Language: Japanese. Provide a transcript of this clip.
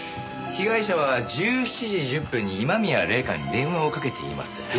被害者は１７時１０分に今宮礼夏に電話をかけています。